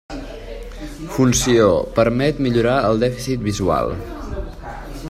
Funció: permet millorar el dèficit visual.